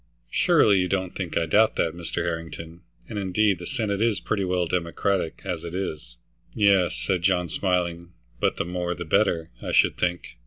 "Surely you don't think I doubt that, Mr. Harrington? And indeed the Senate is pretty well Democratic as it is." "Yes," said John, smiling, "but the more the better, I should think.